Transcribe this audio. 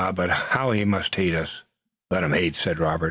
But how he must hate us!" "Let him hate," said Robert.